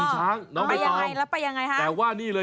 จะบ้านะ